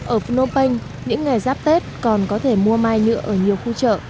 ở phnom penh những ngày giáp tết còn có thể mua mai nhựa ở nhiều khu chợ